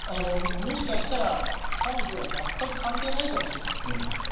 もしかしたら彼女は全く関係ないかもしれない。